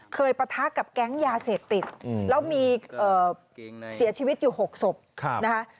ปะทะกับแก๊งยาเสพติดแล้วมีเสียชีวิตอยู่๖ศพนะคะ